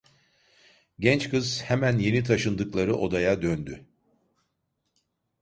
Genç kız hemen yeni taşındıkları odaya döndü.